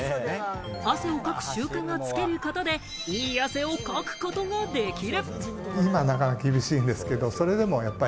汗をかく習慣をつけることで、いい汗をかくことができる。